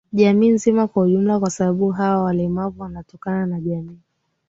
jamii zima kwa jumla kwasababu hawa walemavu wanatokana na jamii